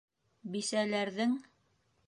Бисәләрҙең: